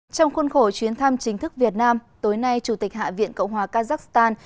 trong khuôn khổ chuyến thăm chính thức việt nam tối nay chủ tịch hạ viện cộng hòa kazakhstan